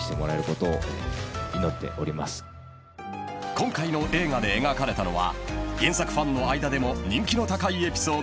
［今回の映画で描かれたのは原作ファンの間でも人気の高いエピソード］